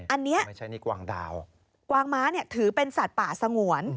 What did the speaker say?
อันนี้กวางม้าถือเป็นสัตว์ป่าสงวน